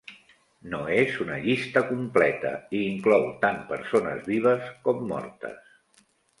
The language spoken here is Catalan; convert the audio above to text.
No és una llista completa i inclou tant persones vives com mortes.